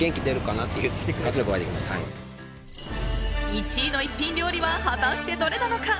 １位の一品料理は果たしてどれなのか。